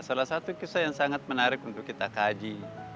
salah satu kisah yang sangat menarik untuk kita kaji